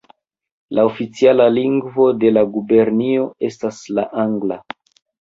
La oficiala lingvo de la gubernio estas la angla.